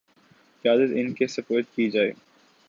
قیادت ان کے سپرد کی جائے